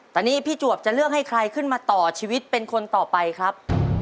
ตอนนี้พี่จวบจะเลือกให้ใครขึ้นมาต่อชีวิตเป็นคนต่อไปครับ